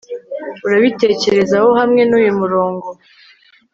Urabitekerezaho hamwe nuyu murongo